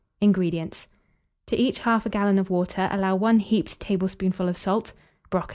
INGREDIENTS. To each 1/2 gallon of water allow 1 heaped tablespoonful of salt; brocoli.